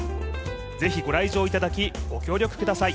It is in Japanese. ぜひ、ご来場いただきご協力ください。